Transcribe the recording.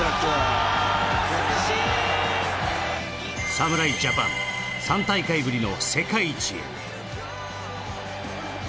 侍ジャパン、３大会ぶりの世界一へ。